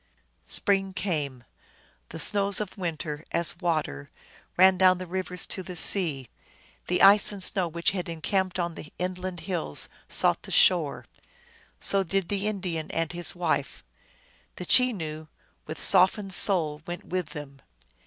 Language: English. Spring came. The snows of winter, as water, ran down the rivers to the sea ; the ice and snow which had encamped on the inland hills sought the shore. So did the Indian and his wife ; the Chenoo, with softened soul, went with them.